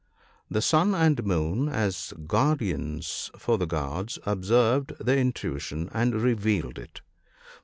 The sun and moon, as guardians for the gods, observed the intrusion and revealed it.